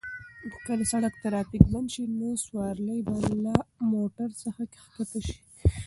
که د سړک ترافیک بند شي نو سوارلۍ به له موټر څخه کښته شي.